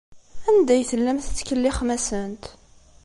Anda ay tellam tettkellixem-asent?